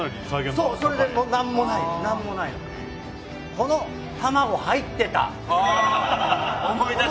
この玉子入ってた！